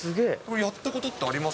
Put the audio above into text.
やったことってあります？